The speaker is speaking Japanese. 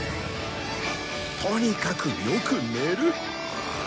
とにかくよく寝る